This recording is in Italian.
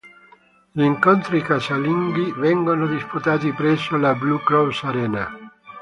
Gli incontri casalinghi vengono disputati presso la Blue Cross Arena.